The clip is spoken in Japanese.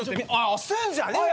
押すんじゃねえよ。